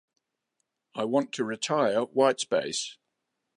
I want to retire white space.